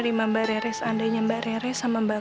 nerima mbak rere seandainya mbak rere sama mbak robi